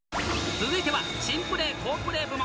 続いては、珍プレー好プレー部門。